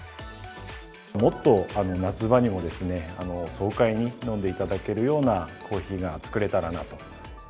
もっと夏場にも爽快に飲んでいただけるようなコーヒーが作れたらなと。